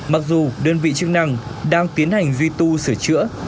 mặc dù đơn vị chức năng đang tiến hành duy tu sửa chữa